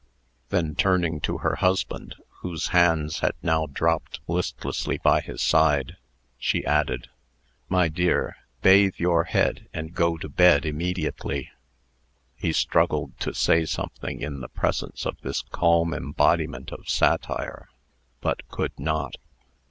Then, turning to her husband, whose hands had now dropped listlessly by his side, she added: "My dear, bathe your head, and go to bed immediately." He struggled to say something in the presence of this calm embodiment of satire, but could not.